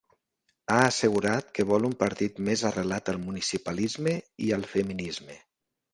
Ha assegurat que vol un partit més arrelat al municipalisme i al feminisme.